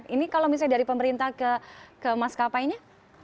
ini kalau misalnya dari pemerintah ke mas kapainya